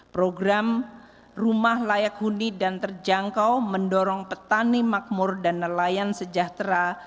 program rumah layak huni dan terjangkau mendorong petani makmur dan nelayan sejahtera